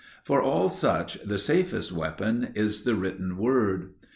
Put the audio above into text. For all such the safest weapon is the written word.